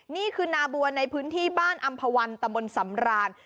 นี่คือนาบัวในพื้นที่บ้านอำภาวันตะบนสำราน